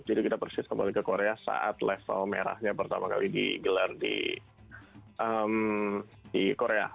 jadi kita persis kembali ke korea saat level merahnya pertama kali digelar di korea